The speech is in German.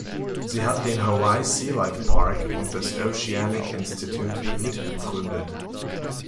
Sie hat den "Hawaii Sea Life Park" und das "Oceanic Institute" mitbegründet.